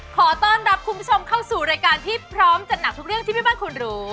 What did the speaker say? ขอต้อนรับคุณผู้ชมเข้าสู่รายการที่พร้อมจัดหนักทุกเรื่องที่แม่บ้านคุณรู้